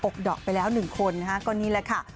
อกดอกไปแล้วหนึ่งคนนะฮะก็นี่แหละค่ะ